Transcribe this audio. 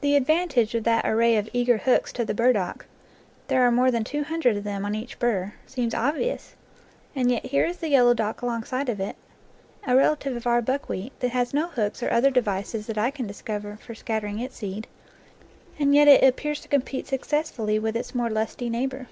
The advantage of that array of eager hooks to the burdock (there are more than two hundred of them on each burr) seems obvious, and yet here is the yellow dock alongside of it, a relative of our buckwheat, that has no hooks or other devices that 9 NATURE LORE I can discover for scattering its seed, and yet it appears to compete successfully with its more lusty neighbor.